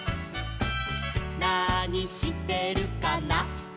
「なにしてるかな」